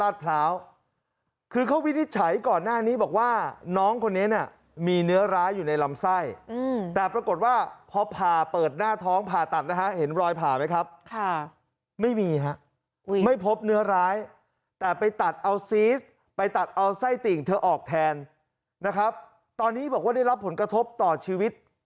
ใส่ติ่งเธอออกแทนนะครับตอนนี้บอกว่าได้รับผลกระทบต่อชีวิต